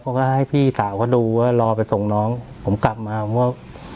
เขาก็ให้พี่สาวเขาดูว่ารอไปส่งน้องผมกลับมาผมก็